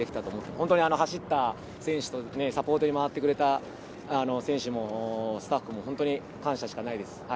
本当に走った選手とサポートに回ってくれた選手もスタッフも本当に感謝しかないです。